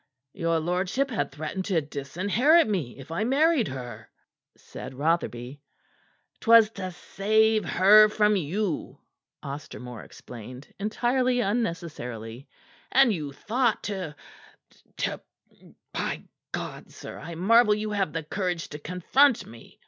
"Your lordship had threatened to disinherit me if I married her," said Rotherby. "'Twas to save her from you," Ostermore explained, entirely unnecessarily. "And you thought to to By God! sir, I marvel you have the courage to confront me.